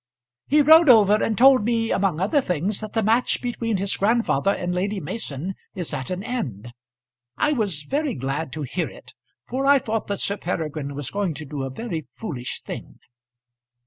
"He rode over, and told me among other things that the match between his grandfather and Lady Mason is at an end. I was very glad to hear it, for I thought that Sir Peregrine was going to do a very foolish thing."